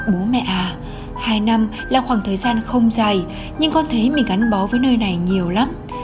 bố mẹ à hai năm là khoảng thời gian không dài nhưng con thấy mình gắn bó với nơi này nhiều lắm